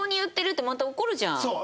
そう。